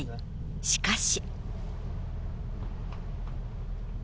しかし。